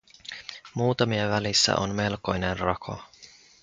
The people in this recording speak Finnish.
Muutamien välissä on melkoinen rako.